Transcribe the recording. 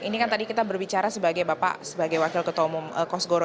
ini kan tadi kita berbicara sebagai bapak sebagai wakil ketua umum kosgoro